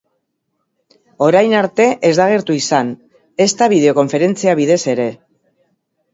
Orain arte, ez da agertu izan, ezta bideokonferentzia bidez ere.